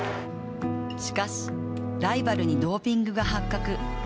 しかし、ライバルにドーピングが発覚。